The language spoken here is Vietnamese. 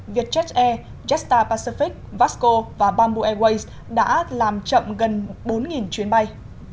vietjet air jetstar pacific vasco và bamboo airways đã làm chậm gần bốn chuyến bay